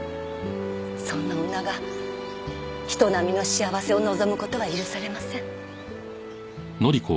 そんな女が人並みの幸せを望む事は許されません。